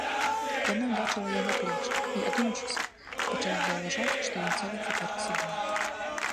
Яна бачыла яго плечы і, адумаўшыся, пачала заўважаць, што ён цэліцца перад сабою.